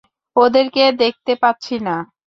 ওদেরকে দেখতে পাচ্ছি না!